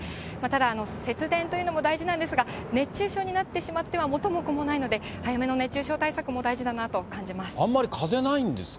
ただ、節電というのも大事なんですが、熱中症になってしまっては元も子もないので、早めの熱中症対策も大事だなと感じます。